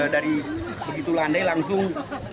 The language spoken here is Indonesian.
dari begitu landai langsung